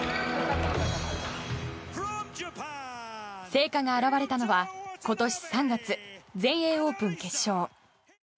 成果が表れたのは今年３月全英オープン決勝。